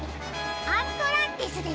アントランティスです。